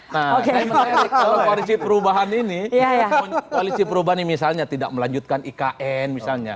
nah kalau koalisi perubahan ini koalisi perubahan ini misalnya tidak melanjutkan ikn misalnya